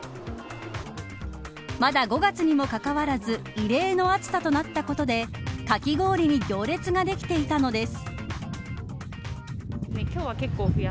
まだ５月にもかかわらず異例の暑さとなったことでかき氷に行列ができていたのです。